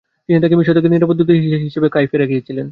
তিনি তাঁকে মিশর থেকে নিরাপদ দূরত্বে হিসনে কাইফায় রেখেছিলেন।